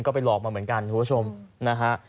ก็ไปหลอกมาเหมือนกันคุณผู้ชมนะฮะ